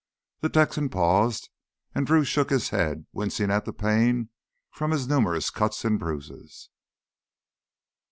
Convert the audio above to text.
The Texan paused and Drew shook his head, wincing at the pain from his numerous cuts and bruises.